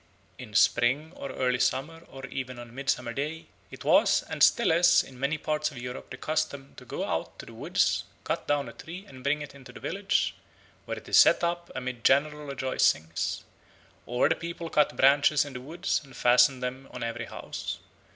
In spring or early summer or even on Midsummer Day, it was and still is in many parts of Europe the custom to go out to the woods, cut down a tree and bring it into the village, where it is set up amid general rejoicings; or the people cut branches in the woods, and fasten them on every house.